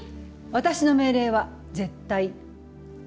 私の命令は絶対。